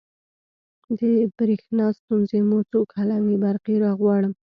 د بریښنا ستونزې مو څوک حلوی؟ برقي راغواړم